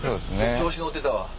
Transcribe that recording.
調子乗ってたわ。